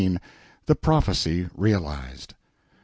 The Prophecy Realized.